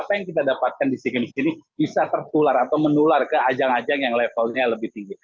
apa yang kita dapatkan di sea games ini bisa tertular atau menular ke ajang ajang yang levelnya lebih tinggi